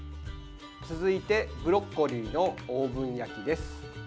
続いてブロッコリーのオーブン焼きです。